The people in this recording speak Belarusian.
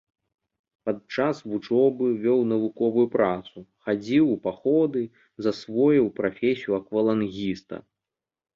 Пад час вучобы вёў навуковую працу, хадзіў у паходы, засвоіў прафесію аквалангіста.